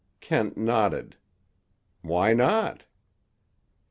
Kent nodded. "Why not?"